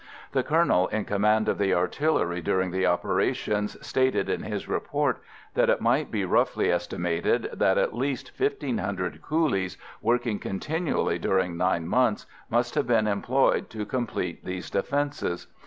The colonel in command of the artillery during the operations stated in his report that it might be roughly estimated that at least fifteen hundred coolies, working continually during nine months, must have been employed to complete these defences.